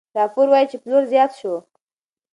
راپور وايي چې پلور زیات شو.